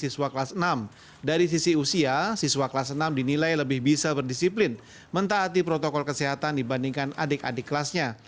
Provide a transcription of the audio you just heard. di surabaya siswa kelas enam dinilai lebih bisa berdisiplin mentaati protokol kesehatan dibandingkan adik adik kelasnya